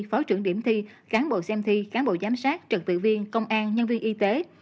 phó trưởng điểm thi cán bộ xem thi cán bộ giám sát trực tự viên công an nhân viên y tế